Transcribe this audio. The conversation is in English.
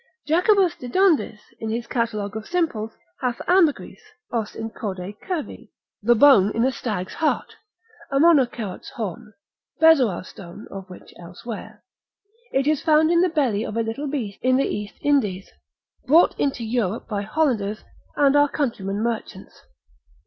Jacobus de Dondis, in his catalogue of simples, hath ambergris, os in corde cervi, the bone in a stag's heart, a monocerot's horn, bezoar's stone (of which elsewhere), it is found in the belly of a little beast in the East Indies, brought into Europe by Hollanders, and our countrymen merchants.